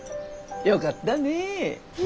よかったねえ。